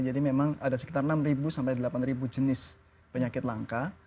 jadi memang ada sekitar enam ribu sampai delapan ribu jenis penyakit langka